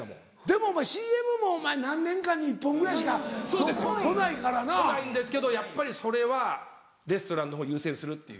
でもお前ＣＭもお前何年間に１本ぐらいしかそう来ないからな。来ないんですけどやっぱりそれはレストランのほうを優先するっていう。